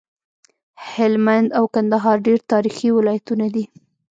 هلمند او کندهار ډير تاريخي ولايتونه دي